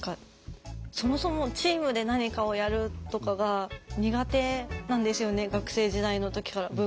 そもそもチームで何かをやるとかが苦手なんですよね学生時代の時から。